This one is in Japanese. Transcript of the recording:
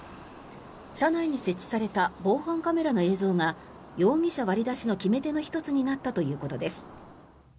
車内に設置された防犯カメラの映像が容疑者割り出しの決め手の１つになったということです。